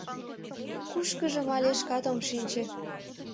Кушкыжым але шкат ом шинче.